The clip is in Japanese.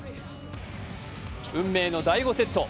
運命の第５セット。